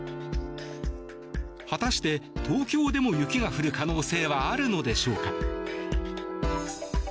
果たして、東京でも雪が降る可能性はあるのでしょうか。